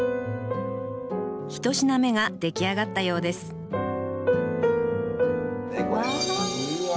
一品目が出来上がったようですうわ！